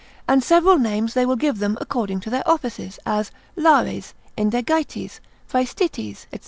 and several names they give them according to their offices, as Lares, Indegites, Praestites, &c.